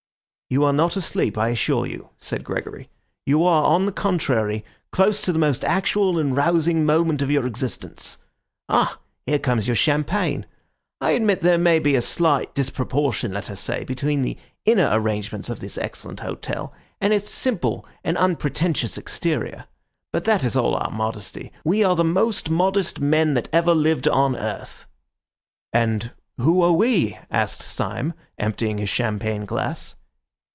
"You are not asleep, I assure you," said Gregory. "You are, on the contrary, close to the most actual and rousing moment of your existence. Ah, here comes your champagne! I admit that there may be a slight disproportion, let us say, between the inner arrangements of this excellent hotel and its simple and unpretentious exterior. But that is all our modesty. We are the most modest men that ever lived on earth." "And who are we?" asked Syme, emptying his champagne glass.